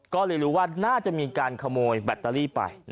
ก็เลยรู้ว่าน่าจะมีการขโมยแบตเตอรี่ไป